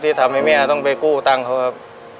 ทำให้แม่ต้องไปกู้ตังค์เขาครับ